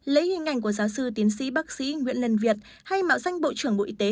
lấy hình ảnh của giáo sư tiến sĩ bác sĩ nguyễn lân việt hay mạo danh bộ trưởng bộ y tế